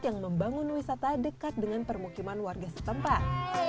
yang membangun wisata dekat dengan permukiman warga setempat